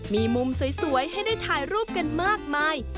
มีมุมสวยให้ได้ถ่ายรูปกันมากมาย